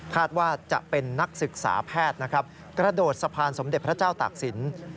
ว่าจะเป็นนักศึกษาแพทย์นะครับกระโดดสะพานสมเด็จพระเจ้าตากศิลป์